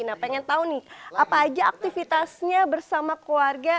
nah pengen tahu nih apa aja aktivitasnya bersama keluarga